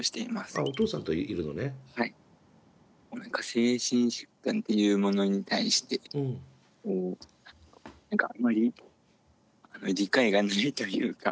精神疾患っていうものに対してあんまり理解がないというか。